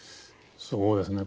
すごいですね。